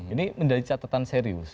ini menjadi catatan serius